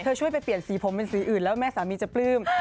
ช่วยไปเปลี่ยนสีผมเป็นสีอื่นแล้วแม่สามีจะปลื้ม